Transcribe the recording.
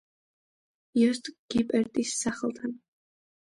იოსტ გიპერტის სახელთან.